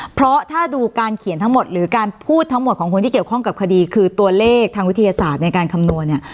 เพราะถ้าดูการเขียนทั้งหมดหรือการพูดทั้งหมดของคนที่เกี่ยวข้องกับคดีคือตัวเลขทางวิทยาศาสตร์ในการคำนวณเนี่ย